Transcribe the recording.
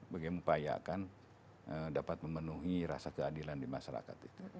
bagaimana upaya akan dapat memenuhi rasa keadilan di masyarakat